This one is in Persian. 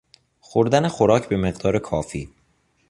خوردن خوراک به مقدار کافی